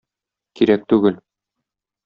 Кирәк түгел.